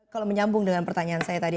kalau menyambung dengan pertanyaan saya tadi